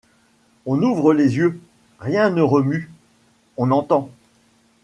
On ouvre les yeux ; rien ne remue ; on entend